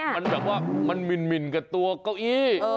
เขาบอกว่ามันมินพวงตัวเก้าอี้